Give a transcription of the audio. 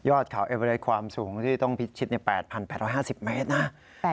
เขาเอเวอเรย์ความสูงที่ต้องพิชิต๘๘๕๐เมตรนะ